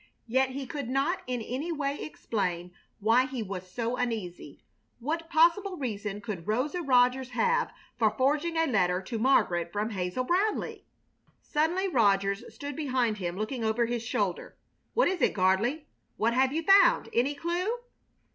Yet he could not in any way explain why he was so uneasy. What possible reason could Rosa Rogers have for forging a letter to Margaret from Hazel Brownleigh? Suddenly Rogers stood behind him looking over his shoulder. "What is it, Gardley? What have you found? Any clue?"